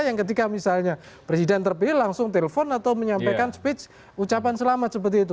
yang ketika misalnya presiden terpilih langsung telpon atau menyampaikan speech ucapan selamat seperti itu